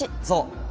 そう。